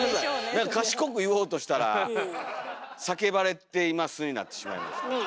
なんか賢く言おうとしたら「叫ばれています」になってしまいました。